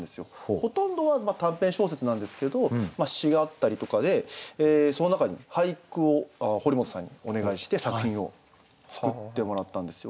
ほとんどは短編小説なんですけど詩があったりとかでその中に俳句を堀本さんにお願いして作品を作ってもらったんですよ。